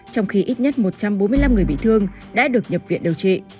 trong khi ít nhất một trăm bốn mươi năm người bị thương đã được nhập viện điều trị